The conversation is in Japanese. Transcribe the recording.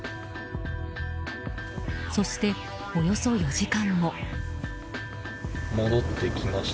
そして、およそ４時間後。